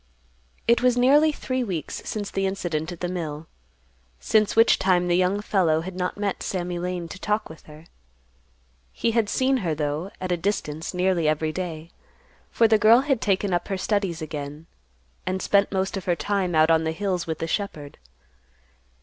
It was nearly three weeks since the incident at the mill, since which time the young fellow had not met Sammy Lane to talk with her. He had seen her, though, at a distance nearly every day, for the girl had taken up her studies again, and spent most of her time out on the hills with the shepherd.